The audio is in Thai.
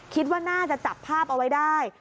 คิดว่าน่าจะจับภาพเอาไว้ได้